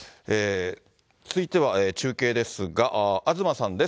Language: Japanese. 続いては中継ですが、東さんです。